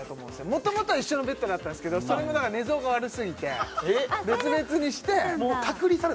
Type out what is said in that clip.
もともとは一緒のベッドだったけどそれも寝相が悪すぎて別々にして・隔離されたんですね